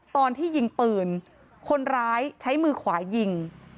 ตอนที่ยิงปืนคนร้ายใช้มือขวายิง